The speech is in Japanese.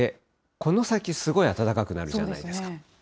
この先、すごい暖かくなるじゃないですか。